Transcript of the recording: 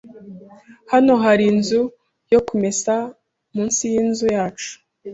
Hano hari inzu yo kumesa munsi yinzu yacu.